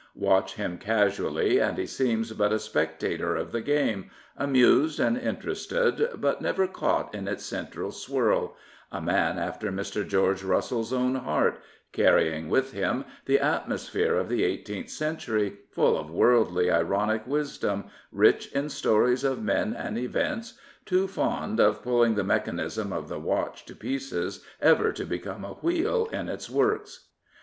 Watch him casually, and he seems but a spectator of the game, amused and interested, but never caught in its central swirl — a man after Mr. George Russell's own heart, carrying with him the atmosphere of the eighteenth century, full of worldly, ironic wisdom, rich in stories of men and events, too fond of pulling the mechanism of the watch to pieces ever to become a wheel in its works.